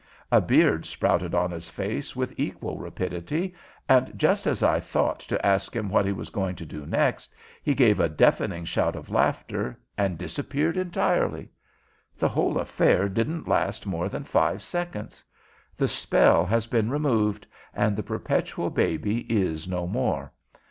A beard sprouted on his face with equal rapidity, and, just as I thought to ask him what he was going to do next, he gave a deafening shout of laughter and disappeared entirely. The whole affair didn't last more than five seconds. The spell has been removed, and the perpetual baby is no more.